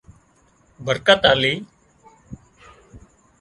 برڪت آلي